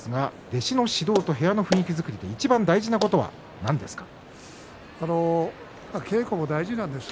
弟子の指導と部屋の雰囲気作りでいちばん大事なことは何ですかということです。